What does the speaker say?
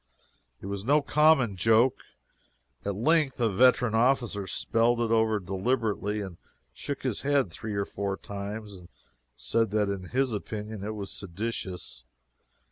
It was no common joke. At length a veteran officer spelled it over deliberately and shook his head three or four times and said that in his opinion it was seditious.